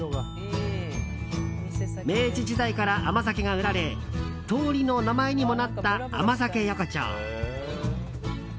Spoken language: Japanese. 明治時代から甘酒が売られ通りの名前にもなった甘酒横丁。